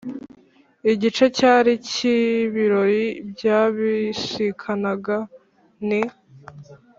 igice cyari icy’ibirori byabisikanaga n’